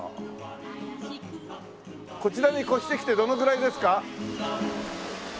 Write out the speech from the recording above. こちらに越してきてどのぐらいですか？